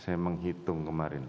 saya menghitung kemarin